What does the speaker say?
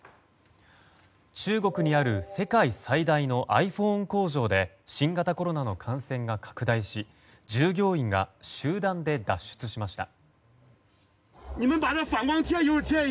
中国にある世界最大のｉＰｈｏｎｅ工場で新型コロナの感染が拡大し従業員が集団で脱出しました。